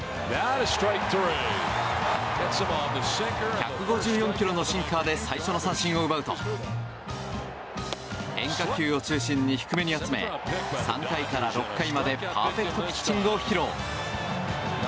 １５４キロのシンカーで最初の三振を奪うと変化球を中心に低めに集め３回から６回までパーフェクトピッチングを披露。